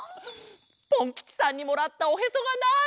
ポンきちさんにもらったおへそがない！